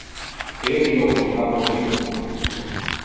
Heri io comprava un libro.